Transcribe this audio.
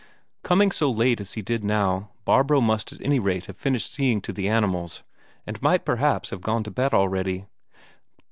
Coming so late as he did now, Barbro must at any rate have finished seeing to the animals, and might perhaps have gone to bed already.